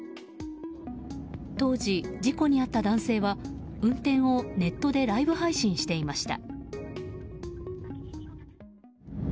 当時、事故に遭った男性は運転をネットでライブ配信していました。